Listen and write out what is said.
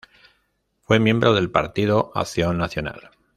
Fue miembro del Partido Acción Nacional.